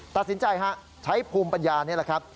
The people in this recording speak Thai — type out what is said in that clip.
ตัดสินใจฮะใช้ภูมิปัญญานี่แหละครับ